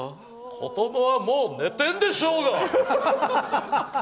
子どもはもう寝てるでしょうが！